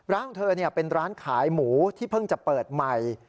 ร้านเธอเป็นร้านขายหมูที่เพิ่งจะเปิดใหม่